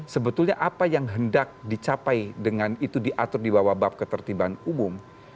sebetulnya apa yang hendak dicapai dengan itu diatur di bawah bab ketertiban umum